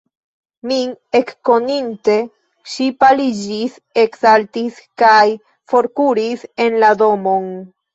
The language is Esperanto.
Min ekkoninte, ŝi paliĝis, eksaltis kaj forkuris en la domon.